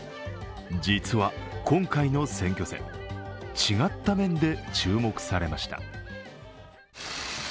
実は今回の選挙戦、違った面で注目されました。